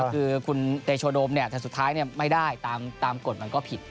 คือคุณเตโชโดมแต่สุดท้ายไม่ได้ตามกฎมันก็ผิด